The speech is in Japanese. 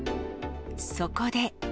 そこで。